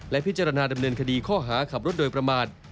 พิจารณาดำเนินคดีข้อหาขับรถโดยประมาท